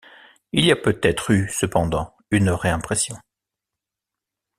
Il y a peut-être eu cependant une réimpression.